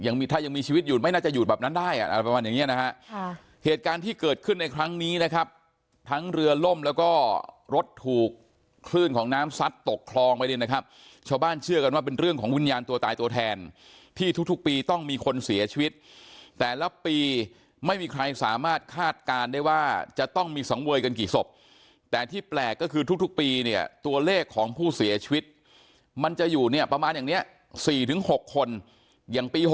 นี่แหละครับทั้งเรือล่มแล้วก็รถถูกคลื่นของน้ำซัดตกคลองไปเลยนะครับชาวบ้านเชื่อกันว่าเป็นเรื่องของวิญญาณตัวตายตัวแทนที่ทุกปีต้องมีคนเสียชีวิตแต่ละปีไม่มีใครสามารถคาดการณ์ได้ว่าจะต้องมีสองเวยกันกี่ศพแต่ที่แปลกก็คือทุกปีเนี่ยตัวเลขของผู้เสียชีวิตมันจะอยู่เนี่ยประมาณอย่างเนี้ย